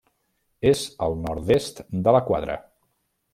És al nord-est de la Quadra.